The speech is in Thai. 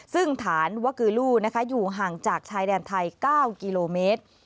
ซึ่งฐานวะกือลูอยู่ห่างจากชายแดนไทย๙กิโลเมตร